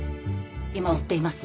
今追っています。